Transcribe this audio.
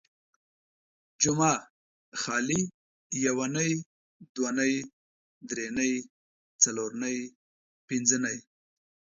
جمعه ، خالي ، يونۍ ،دونۍ ، دري نۍ، څلور نۍ، پنځه نۍ